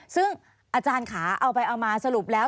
ซึ่งอาจารย์ขาเอาไปเอามาสรุปแล้ว